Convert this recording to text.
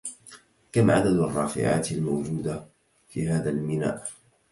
كم عدد الرافعات الموجوده في هذا الميناء؟